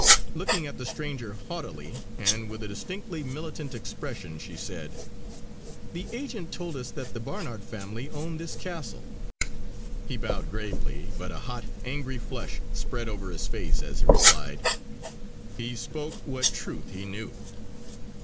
Looking at the stranger haughtily, and with a distinctly militant expression she said: "The agent told us that the Barnard family owned this castle!" He bowed gravely, but a hot, angry flush spread over his face as he replied: "He spoke what truth he knew."